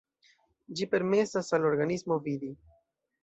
Ĝi permesas al organismo vidi.